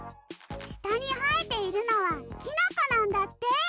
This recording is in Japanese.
したにはえているのはきのこなんだって。